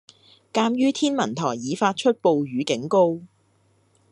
鑑於天文台已發出暴雨警告